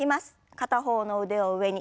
片方の腕を上に。